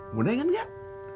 mudah ingat gak